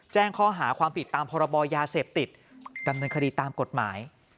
แจ้งข้อหาความผิดตามพรบยาเสพติดดำเนินคดีตามกฎหมาย